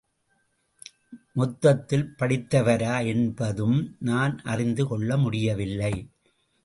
மொத்தத்தில் படித்தவரா என்பதும் நான் அறிந்து கொள்ள முடியவில்லை.